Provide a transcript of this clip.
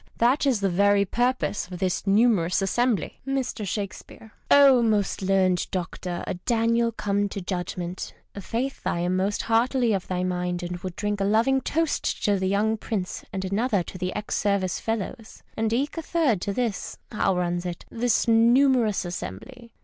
That is the very purpose of this numerous assembly. Mr. Shakespeare. — Oh, most learned doctor, a Daniel come to judgment ! F faith I am most heartily of thy mind, and would drink a loving toast to the young Prince and another to the ex Service fellows, and eke a third to this — how runs it ?— this numerous assembly.